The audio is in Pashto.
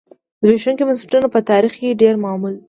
زبېښونکي بنسټونه په تاریخ کې ډېر معمول دي.